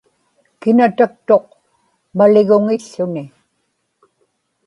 kinataktuq maliguŋił̣ł̣uni